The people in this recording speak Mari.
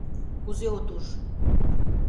Кузе от уж?